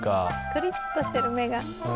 くりっとしてる、目が。